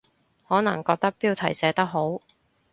可能覺得標題寫得好